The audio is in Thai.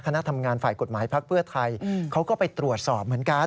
คณะทำงานฝ่ายกฎหมายพักเพื่อไทยเขาก็ไปตรวจสอบเหมือนกัน